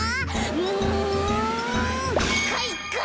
うんかいか！